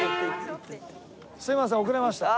すいません遅れました。